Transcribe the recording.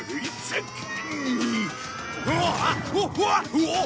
うわあっ！